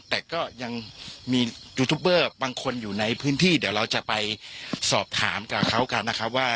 แต่ก็ยังมียูทูปเบอร์บางคนอยู่ในพื้นที่เดี๋ยวเราจะไปสอบถามกับเขากันนะครับว่า